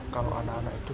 kalau anak anak itu